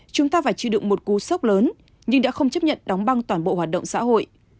chúng ta phải chịu đựng một cú sốc lớn nhưng đã không chấp nhận đóng băng toàn bộ hoạt động xã hội